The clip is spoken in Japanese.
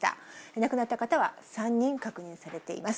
亡くなった方は３人確認されています。